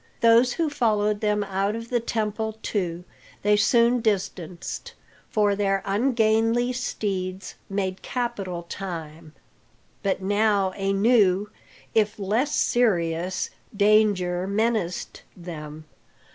Those who followed them out of the temple, too, they soon distanced, for their ungainly steeds made capital time. But now a new, if less serious, danger menaced them.